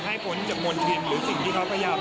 ให้ผลจับมนตร์ทิมหรือสิ่งที่เขาพยายาม